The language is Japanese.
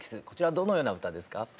こちらどのような歌ですか？